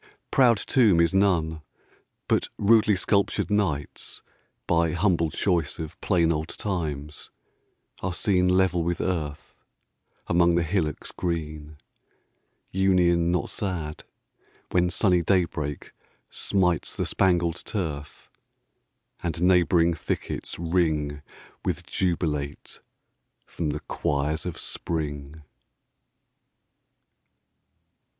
Proud tomb is none; but rudely sculptured knights, By humble choice of plain old times, are seen 10 Level with earth, among the hillocks green: Union not sad, when sunny daybreak smites The spangled turf, and neighbouring thickets ring With jubilate from the choirs of spring!